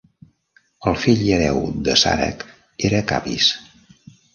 El fill i hereu d'Assàrac era Capis.